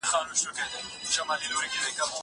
که وخت وي، بازار ته ځم!